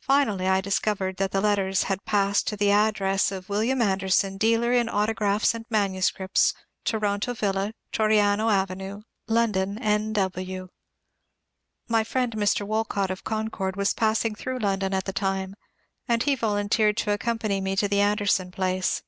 Finally I discovered that the letters had passed to the address of ^^ Wil liam Anderson, dealer in Autographs and Manuscripts, To ronto Villa, Torriano Avenue, London, N. W." My friend Mr. Woleott of Concord was passing through London at the time, and he volunteered to accompany me to the Anderson place.